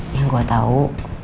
yang gue tau